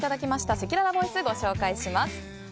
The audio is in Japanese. せきららボイスご紹介します。